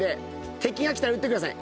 敵が来たら撃ってください。